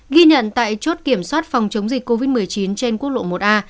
ghi nhận tại chốt kiểm soát phòng chống dịch covid một mươi chín trên quốc lộ một a